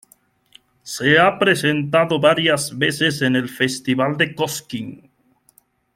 Se ha presentado varias veces en el Festival de Cosquín.